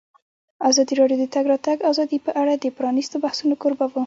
ازادي راډیو د د تګ راتګ ازادي په اړه د پرانیستو بحثونو کوربه وه.